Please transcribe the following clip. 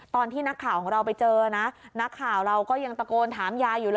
ตอนที่นักข่าวของเราไปเจอนะนักข่าวเราก็ยังตะโกนถามยายอยู่เลย